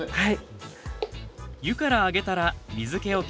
はい。